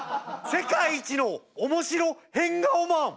「世界一の面白変顔マン」